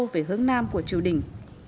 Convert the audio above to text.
về hướng nam của triều đình